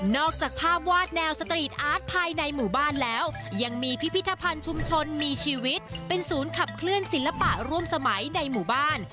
จากภาพวาดแนวสตรีทอาร์ตภายในหมู่บ้านแล้วยังมีพิพิธภัณฑ์ชุมชนมีชีวิตเป็นศูนย์ขับเคลื่อนศิลปะร่วมสมัยในหมู่บ้าน